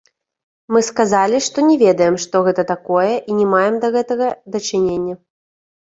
Мы сказалі, што не ведаем што гэта такое і не маем да гэтага дачынення.